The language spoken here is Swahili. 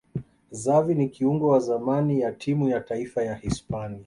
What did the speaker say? xavi ni kiungo wa zamani ya timu ya taifa ya hispania